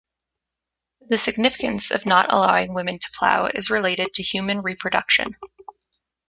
The significance of not allowing women to plough is related to human reproduction.